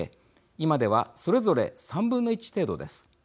今ではそれぞれ１／３程度です。